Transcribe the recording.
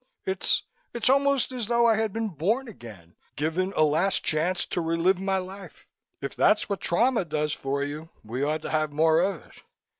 It's it's almost as though I had been born again, given a last chance to relive my life. If that's what trauma does for you, we ought to have more of it."